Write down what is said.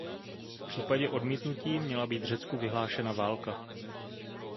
V případě odmítnutí měla být Řecku vyhlášena válka.